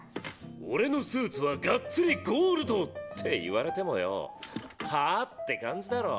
“俺のスーツはガッツリゴールド！”って言われてもよ“はあ？”って感じだろ。